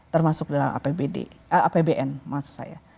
termasuk dalam apbn maksud saya